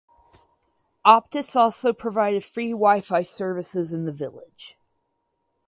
Optus also provided free Wifi services in the village.